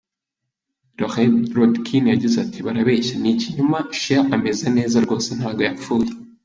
Loree Rodkin yagize ati :« Barabeshya, ni ikinyoma Cher ameze neza rwose ntago yapfuye.